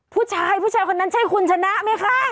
ผู้ชายผู้ชายคนนั้นใช่คุณชนะไหมคะ